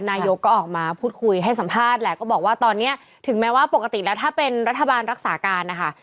นายกก็ออกมาพูดคุยให้สัมภาษณ์แหละก็บอกว่าตอนนี้ถึงแม้ว่าปกติแล้วถ้าเป็นรัฐบาลรักษาการนะคะ